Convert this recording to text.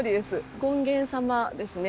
「権現様」ですね。